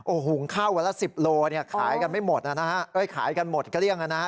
โอ้โหข้าวละ๑๐โลขายกันหมดกระเลี่ยงนะฮะ